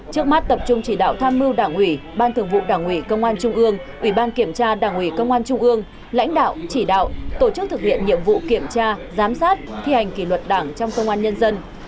trước mắt tập trung chỉ đạo tham mưu đảng ủy ban thường vụ đảng ủy công an trung ương ủy ban kiểm tra đảng ủy công an trung ương lãnh đạo chỉ đạo tổ chức thực hiện nhiệm vụ kiểm tra giám sát thi hành kỷ luật đảng trong công an nhân dân